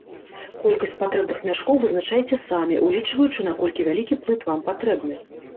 Колькасць патрэбных мяшкоў вызначайце самі, улічваючы, наколькі вялікі плыт вам патрэбны.